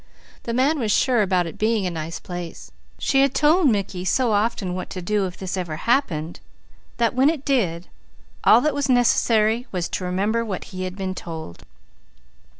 The man was sure about it being a nice place. She had told Mickey so often what to do if this ever happened, that when it did, all that was necessary was to remember what he had been told.